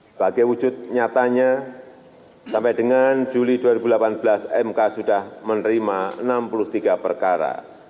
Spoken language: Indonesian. sebagai wujud nyatanya sampai dengan juli dua ribu delapan belas mk sudah menerima enam puluh tiga perkara